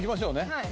はい。